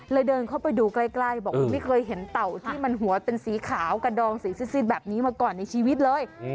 เดินเข้าไปดูใกล้บอกว่าไม่เคยเห็นเต่าที่มันหัวเป็นสีขาวกระดองสีซิดแบบนี้มาก่อนในชีวิตเลย